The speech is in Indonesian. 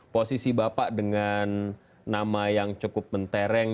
posisi bapak dengan nama yang cukup mentereng